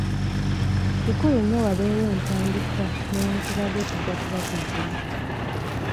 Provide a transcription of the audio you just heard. Kikulu nnyo wabeewo entandikwa newankubadde kijja kuba kizibu.